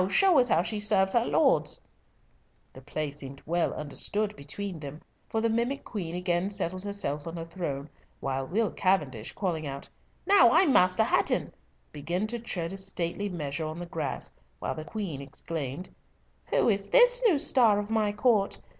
show us how she serves her lords." The play seemed well understood between them, for the mimic queen again settled herself on her throne, while Will Cavendish, calling out, "Now I'm Master Hatton," began to tread a stately measure on the grass, while the queen exclaimed, "Who is this new star of my court?